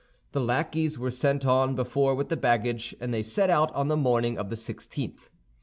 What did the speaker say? The lackeys were sent on before with the baggage, and they set out on the morning of the sixteenth.